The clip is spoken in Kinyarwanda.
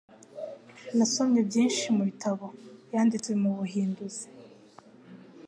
Nasomye byinshi mu bitabo yanditse mu buhinduzi.